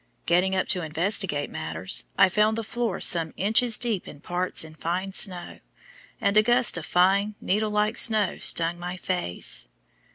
Getting up to investigate matters, I found the floor some inches deep in parts in fine snow, and a gust of fine, needle like snow stung my face.